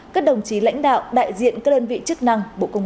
các đồng chí lãnh đạo đại diện các đơn vị chức năng bộ công an